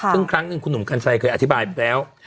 ซึ่งครั้งหนึ่งคุณหนุ่มกัญชัยเคยอธิบายไปแล้ว